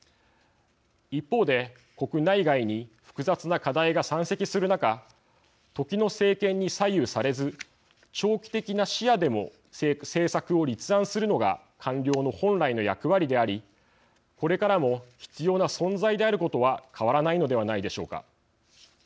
一方で、国内外に複雑な課題が山積する中時の政権に左右されず長期的な視野でも政策を立案するのが官僚の本来の役割でありこれからも必要な存在であることは変わらないのではないでしょうか。